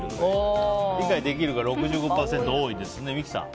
理解できるが６５％と多いですね。